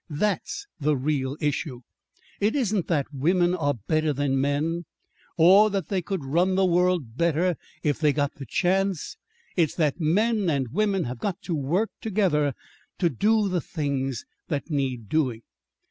That's the real issue. It isn't that women are better than men, or that they could run the world better if they got the chance. It's that men and women have got to work together to do the things that need doing."